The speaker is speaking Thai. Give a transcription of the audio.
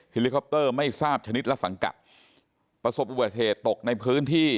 ลิคอปเตอร์ไม่ทราบชนิดและสังกัดประสบอุบัติเหตุตกในพื้นที่